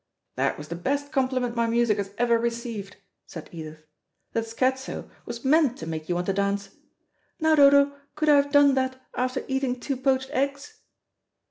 "That was the best compliment my music has ever received," said Edith. "That scherzo was meant to make you want to dance. Now, Dodo, could I have done that after eating two poached eggs?"